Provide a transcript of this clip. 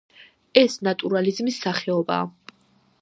ეს ნატურალიზმის სახეობაა.